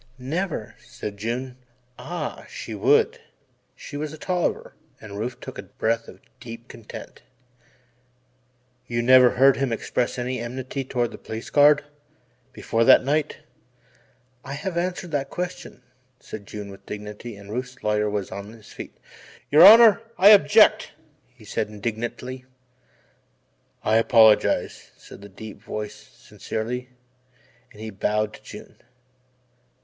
"Never," said June. Ah, she would she was a Tolliver and Rufe took a breath of deep content. "You never heard him express any enmity toward the Police Guard before that night?" "I have answered that question," said June with dignity and Rufe's lawyer was on his feet. "Your Honour, I object," he said indignantly. "I apologize," said the deep voice "sincerely," and he bowed to June.